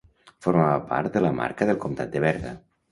Formava part de la marca del comtat de Berga.